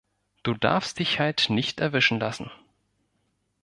Du darfst dich halt nicht erwischen lassen.